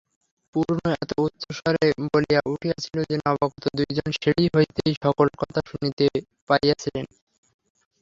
পূর্ণ এত উচ্চস্বরে বলিয়া উঠিয়াছিল যে নবাগত দুইজনে সিঁড়ি হইতেই সকল কথা শুনিতে পাইয়াছিলেন।